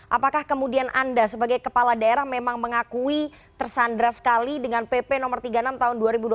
apakah kemudian anda sebagai kepala daerah memang mengakui tersandra sekali dengan pp no tiga puluh enam tahun dua ribu dua puluh